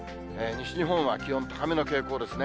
西日本は気温、高めの傾向ですね。